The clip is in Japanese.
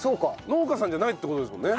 農家さんじゃないって事ですもんね？